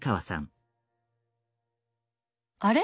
あれ？